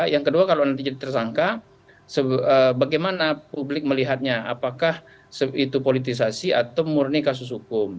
yang kedua kalau nanti jadi tersangka bagaimana publik melihatnya apakah itu politisasi atau murni kasus hukum